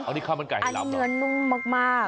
อันนี้ข้าวมันไก่ไหลมเหรออันนี้เหนือนุ่งมาก